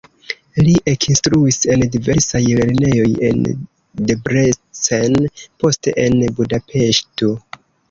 Li ekinstruis en diversaj lernejoj en Debrecen, poste en Budapeŝto.